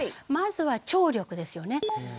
まずは聴力ですよね。